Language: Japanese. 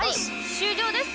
終了です。